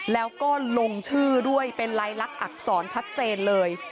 แล้วก็ลงชื่อด้วยเป็นลายลักษณอักษรชัดเจนเลย